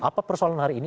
apa persoalan hari ini